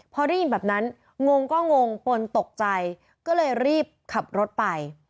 พอได้ยินแบบนั้นงงก็งงปนตกใจก็เลยรีบขับรถไป